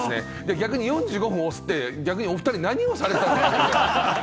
逆に４５分押すって、逆にお２人は何をされてたんですか？